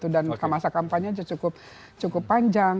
dan masa kampanye cukup panjang